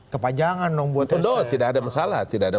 kepajangan dong buat hashtag tidak ada